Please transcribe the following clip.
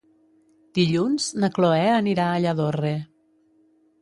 Dilluns na Cloè anirà a Lladorre.